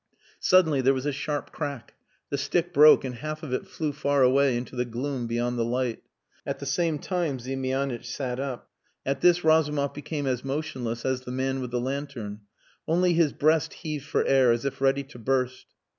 Suddenly there was a sharp crack. The stick broke and half of it flew far away into the gloom beyond the light. At the same time Ziemianitch sat up. At this Razumov became as motionless as the man with the lantern only his breast heaved for air as if ready to burst.